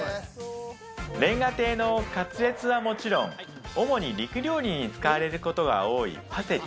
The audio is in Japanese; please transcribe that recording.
煉瓦亭のカツレツはもちろん、主に肉料理に使われることが多いパセリ。